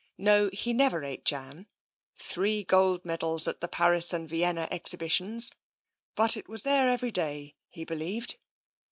No ; he never ate jam — Three gold medals at the Paris and Vienna Exhibitions — but it was there every day, he believed.